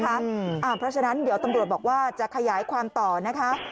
เพราะฉะนั้นเดี๋ยวตำรวจบอกว่าจะขยายความต่อนะคะ